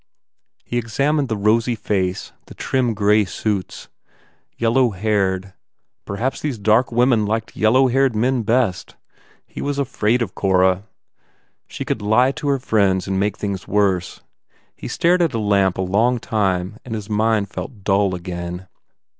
He examined the rosy face, the trim grey suits. Yellow haired. Perhaps these dark women Jiked yellow haired men best. He was afraid of Cora. She could lie to her friends and make things worse. He stared at a lamp a long time and his mind fell dull again.